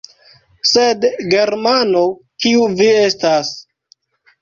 Sed, Germano, kiu vi estas!